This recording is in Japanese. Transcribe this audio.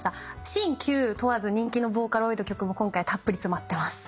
新旧問わず人気のボーカロイド曲も今回たっぷり詰まってます。